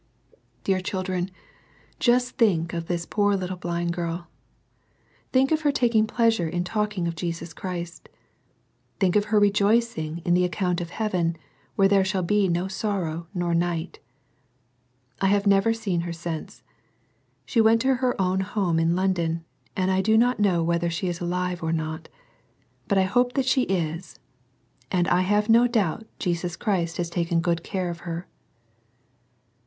Dear children, just think of this poor little blind girl. Think of her taking pleasure in talking of Jesus Christ. Think of her rejoicing in the account of heaven, where there shall be no sorrow nor night I have never seen her since. She went to her own home in London, and I do not know whether she is alive or not; but I hope she is, and I have no doubt Jesus Christ has taken good care of her.